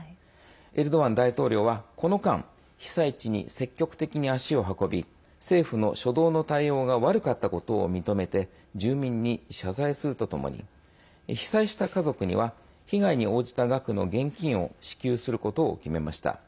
エルドアン大統領は、この間被災地に積極的に足を運び政府の初動の対応が悪かったことを認めて住民に謝罪するとともに被災した家族には被害に応じた額の現金を支給することを決めました。